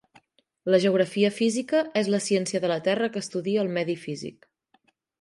La geografia física és la ciència de la terra que estudia el medi físic.